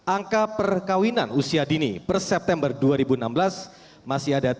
angka perkawinan usia dini per september dua ribu enam belas masih ada tiga